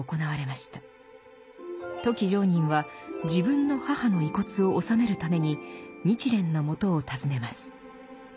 富木常忍は自分の母の遺骨を納めるために日蓮のもとを訪ねます。